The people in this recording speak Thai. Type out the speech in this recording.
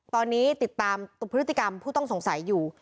ตอนนี้ติดตามพฤติกรรมผู้ต้องสงสัยอยู่